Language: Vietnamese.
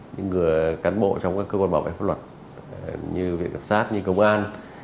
những người cán bộ trong các cơ quan bảo vệ pháp luật như viện cập sát như công an